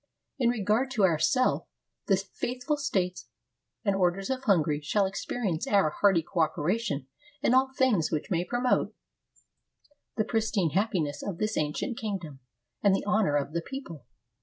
In regard to ourself, the faithful states and orders of Hungary shall experience our hearty cooperation in all things which may promote 324 HOW MARIA THERESA BECAME KING the pristine happiness of this ancient kingdom, and the honor of the people."